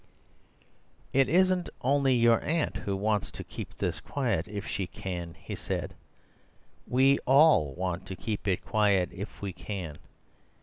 "It isn't only your aunt who wants to keep this quiet if she can," he said; "we all want to keep it quiet if we can.